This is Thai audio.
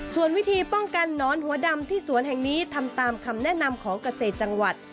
ส่วนวิธีป้องกันหนอนหัวดำที่สวนแห่งนี้ทำตามคำแนะนำของเกษตรจังหวัด